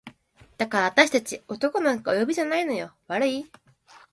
「だからあたし達男なんかお呼びじゃないのよ悪い？」